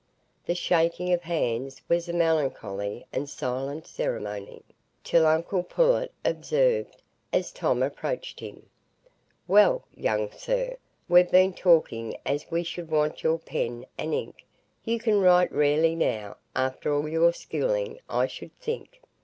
The shaking of hands was a melancholy and silent ceremony, till uncle Pullet observed, as Tom approached him: "Well, young sir, we've been talking as we should want your pen and ink; you can write rarely now, after all your schooling, I should think."